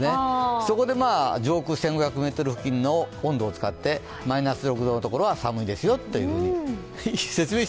そこで上空１５００ｍ付近の温度を使ってマイナス６度のところは寒いですよって。